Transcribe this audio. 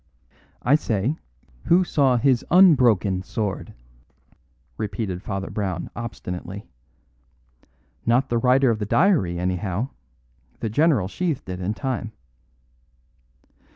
"I say, who saw his unbroken sword?" repeated Father Brown obstinately. "Not the writer of the diary, anyhow; the general sheathed it in time."